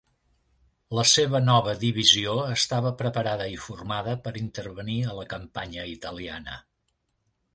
La seva nova divisió estava preparada i formada per intervenir a la campanya italiana.